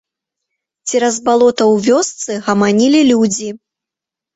Цераз балота ў вёсцы гаманілі людзі.